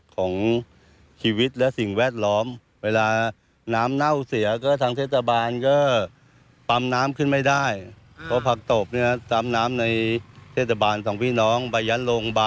ก็ใช้น้ำไม่ได้เพราะว่าไปทำน้ำปลาครับ